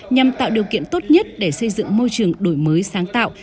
nhằm tạo điều kiện tốt nhất để xây dựng môi trường đổi mới sáng tạo